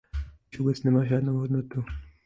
Již vůbec nemá žádnou hodnotu.